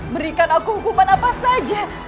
berikan aku hukuman apa saja